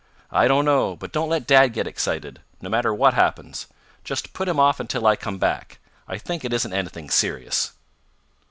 "I don't know. But don't let dad get excited, no matter what happens. Just put him off until I come back. I think it isn't anything serious."